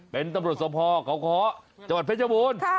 เป็นตำรวจสมภาพเกาะจังหวัดเพชรโบน